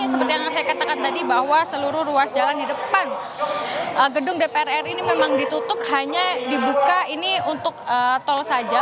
seperti yang saya katakan tadi bahwa seluruh ruas jalan di depan gedung dpr ri ini memang ditutup hanya dibuka ini untuk tol saja